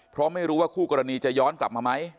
เพราะไม่รู้ว่าคู่กรณีจะย้อนกลับมาไหม